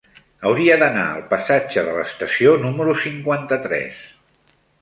Hauria d'anar al passatge de l'Estació número cinquanta-tres.